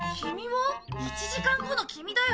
１時間後のキミだよ。